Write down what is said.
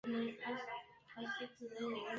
而历史上的战争也多属于此。